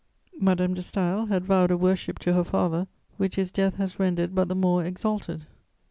Madame de Staël had vowed a worship to her father which his death has rendered but the more exalted.